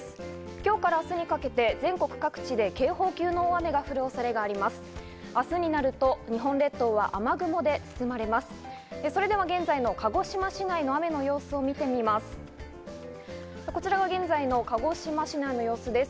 今日から明日にかけて全国各地で警報級の大雨が降る恐れがあります。